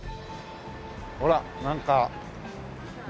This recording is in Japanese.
ほらなんかねえ。